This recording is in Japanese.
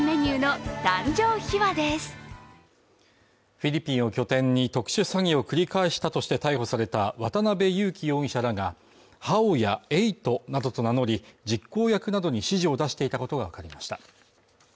フィリピンを拠点に特殊詐欺を繰り返したとして逮捕された渡辺優樹容疑者らがハオやエイトなどと名乗り実行役などに指示を出していたことがわかりました。